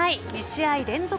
２試合連続